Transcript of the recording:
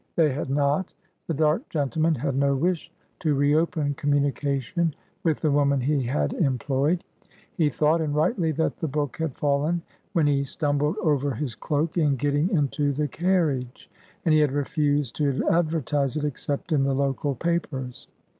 They had not. The dark gentleman had no wish to reopen communication with the woman he had employed. He thought (and rightly) that the book had fallen when he stumbled over his cloak in getting into the carriage, and he had refused to advertise it except in the local papers.